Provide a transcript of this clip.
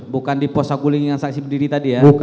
bukan di pos saguling yang saksi berdiri tadi ya